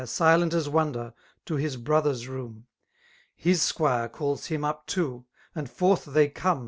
Silent as ifvonder, to his brother's room :— His squire caQs him up too; and forth they come.